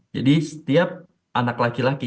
jadi setiap anak laki laki